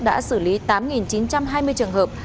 đã xử lý tám chín trăm hai mươi trường hợp